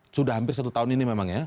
sudah hampir satu tahun ini memang ya